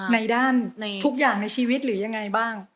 ในด้านทุกอย่างในชีวิตหรือยังไงบ้าง